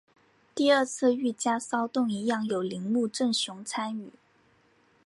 第二次御家骚动一样有铃木正雄参与。